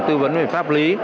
tư vấn về pháp lý